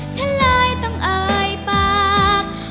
ฉันเลยต้องเอ่ยปาก